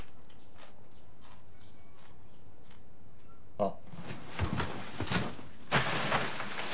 あっ。